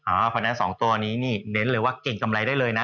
เพราะฉะนั้น๒ตัวนี้นี่เน้นเลยว่าเก่งกำไรได้เลยนะ